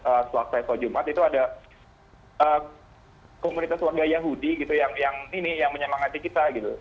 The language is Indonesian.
bahkan tadi saya sholat sholat jum'ah itu ada komunitas warga yahudi gitu yang menyemangati kita gitu